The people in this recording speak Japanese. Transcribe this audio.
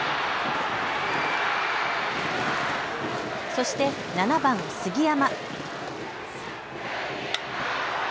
そして７番・杉山。